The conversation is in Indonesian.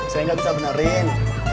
saya gak bisa benerin